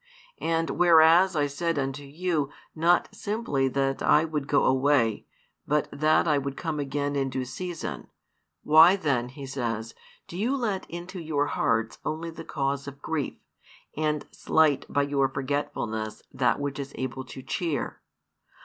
And whereas I said unto you not simply that I would go away, but that I would come again in due season, why then, He says, do you let into your hearts only the cause of grief, and slight by your forgetfulness that which is able to cheer.